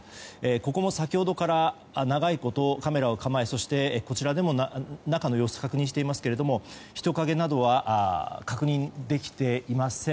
ここも先ほどから長いこと、カメラを構えそして、こちらでも中の様子を確認していますけれども人影などは確認できていません。